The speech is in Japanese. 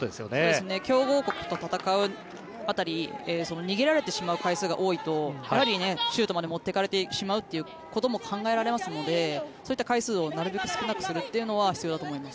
強豪国と戦う辺り逃げられてしまう回数が多いとやはりシュートまで持っていかれてしまうということも考えられますのでそういった回数をなるべく少なくするのは必要だと思います。